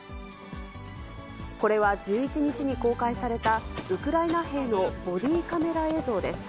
これは１１日に公開された、ウクライナ兵のボディーカメラ映像です。